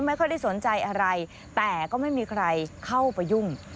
ไม่ค่อยได้สนใจอะไรแต่ก็ไม่มีใครเข้าไปยุ่ง